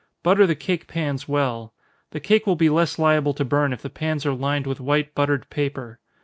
Butter the cake pans well. The cake will be less liable to burn if the pans are lined with white buttered paper.